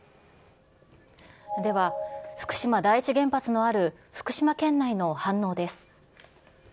では、福島第一原発のある福島県内の反応です。